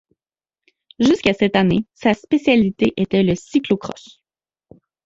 Jusqu'à cette année, sa spécialité était le cyclo-cross.